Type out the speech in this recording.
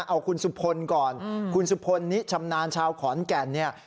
เอาคุณสุพลก่อนคุณสุพลนิชำนาญชาวขอนแก่นเนี่ย